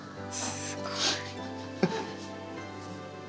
すごい。